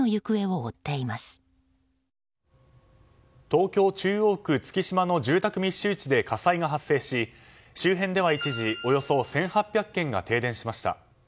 東京・中央区月島の住宅密集地で火災が発生し周辺では一時およそ１８００軒が停電しました。